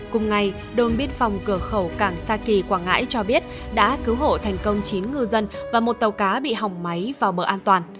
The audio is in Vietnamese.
cùng ngày đồn biên phòng cửa khẩu cảng sa kỳ quảng ngãi cho biết đã cứu hộ thành công chín ngư dân và một tàu cá bị hỏng máy vào bờ an toàn